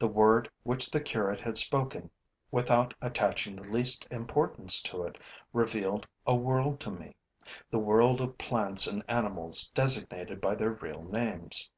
The word which the curate had spoken without attaching the least importance to it revealed a world to me, the world of plants and animals designated by their real names.